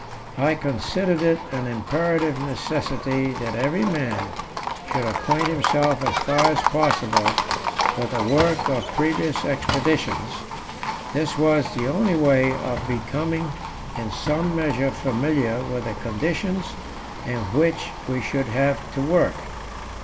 I considered it an imperative necessity that every man should acquaint himself as far as possible with the work of previous expeditions; this was the only way of becoming in some measure familiar with the conditions in which we should have to work.